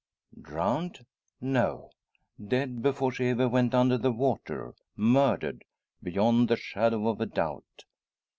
"Drowned? No! Dead before she ever went under the water. Murdered, beyond the shadow of a doubt."